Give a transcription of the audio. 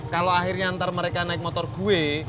kalau akhirnya ntar mereka naik motor gue